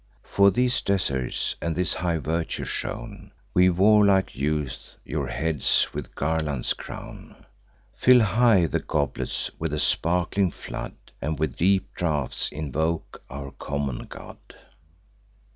For these deserts, and this high virtue shown, Ye warlike youths, your heads with garlands crown: Fill high the goblets with a sparkling flood, And with deep draughts invoke our common god."